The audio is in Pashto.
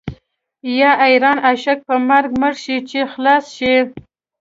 یا حیران عاشق په مرګ مړ شي چې خلاص شي.